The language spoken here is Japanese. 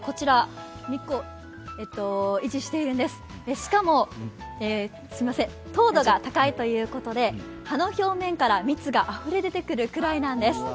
しかも糖度が高いということで、葉の表面から蜜があふれ出てくるくらいなんです。